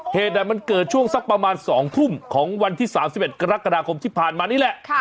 เหตุมันเกิดช่วงสักประมาณ๒ทุ่มของวันที่๓๑กรกฎาคมที่ผ่านมานี่แหละ